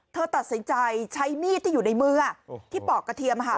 เธอตัดสินใจใช้มีดที่อยู่ในมือที่ปอกกระเทียม